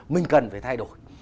mình cần phải thay đổi